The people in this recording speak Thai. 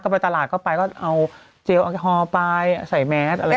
ไปตลาดก็ไปก็เอาเจลแอลกอฮอล์ไปใส่แมสอะไรอย่างนี้